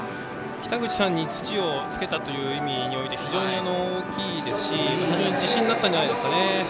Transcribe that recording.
北口さんに土をつけたという意味で非常に大きいですし非常に自信になったと思います。